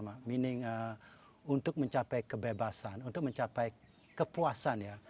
meaning untuk mencapai kebebasan untuk mencapai kepuasan ya